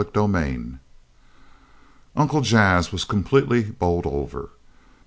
CHAPTER 3 Uncle Jas was completely bowled over.